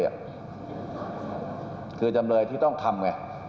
ก็คือจำเลยที่ต้องทำเนี่ย